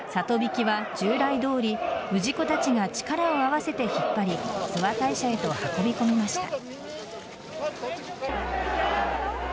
曳きは、従来どおり氏子たちが力を合わせて引っ張り諏訪大社へと運び込みました。